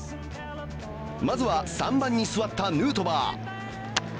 まずは３番に座ったヌートバー。